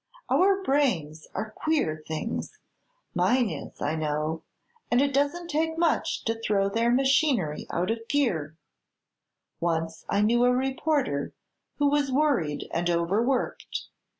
Our brains are queer things mine is, I know and it doesn't take much to throw their machinery out of gear. Once I knew a reporter who was worried and over worked.